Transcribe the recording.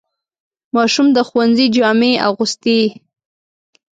ماشوم د ښوونځي جامې اغوستېږي.